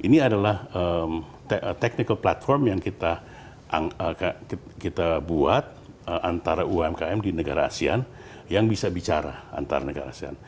ini adalah technical platform yang kita buat antara umkm di negara asean yang bisa bicara antar negara asean